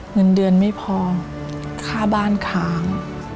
เงินเดือนไม่พอค่าบ้านค้าง